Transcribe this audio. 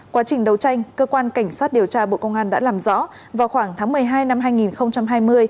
quá trình đấu tranh cơ quan cảnh sát điều tra bộ công an đã làm rõ vào khoảng tháng một mươi hai năm hai nghìn hai mươi